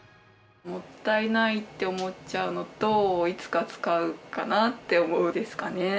「もったいない」って思っちゃうのと「いつか使うかな」って思うですかね。